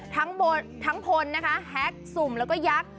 ทั้งพลแฮคสุ่มแล้วก็ยักษ์